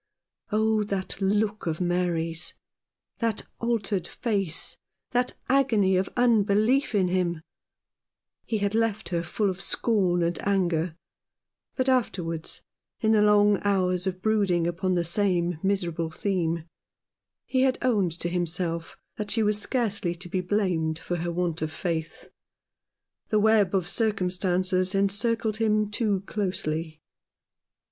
Oh, that look of Mary's, that altered face, that agony of unbelief in him ! He had left her full of scorn and anger ; but after wards, in the long hours of brooding upon the same miserable theme, he had owned to himself that she was scarcely to be blamed for her want of faith. The web of circumstances encircled him too closely.